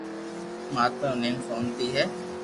ماتا رو نيم ݾونتي ھي